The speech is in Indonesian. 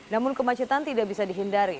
namun kemacetan tidak bisa dihindari